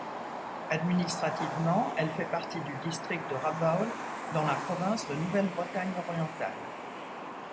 Administrativement, elle fait partie du district de Rabaul dans la province de Nouvelle-Bretagne orientale.